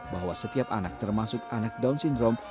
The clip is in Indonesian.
bahwa setiap anak termasuk anak down syndrome